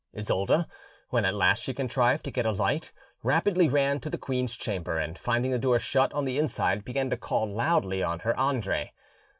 Isolda, when at last she contrived to get a light, rapidly ran to the queen's chamber, and finding the door shut on the inside, began to call loudly on her Andre.